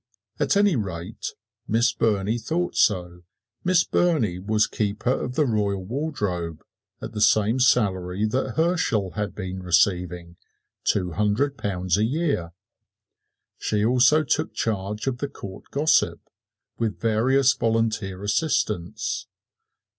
At any rate Miss Burney thought so. Miss Burney was Keeper of the Royal Wardrobe at the same salary that Herschel had been receiving two hundred pounds a year. She also took charge of the Court Gossip, with various volunteer assistants.